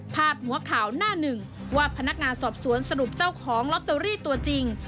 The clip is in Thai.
หัวข่าวหน้าหนึ่งว่าพนักงานสอบสวนสรุปเจ้าของลอตเตอรี่ตัวจริง